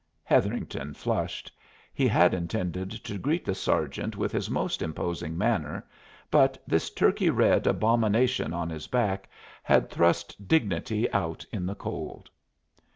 Hetherington flushed. He had intended to greet the sergeant with his most imposing manner, but this turkey red abomination on his back had thrust dignity out in the cold.